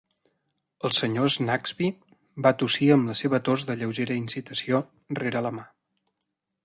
El senyor Snagsby va tossir amb la seva tos de lleugera incitació rere la mà.